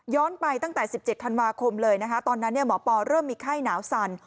ไปตั้งแต่๑๗ธันวาคมเลยนะคะตอนนั้นหมอปอเริ่มมีไข้หนาวสั่น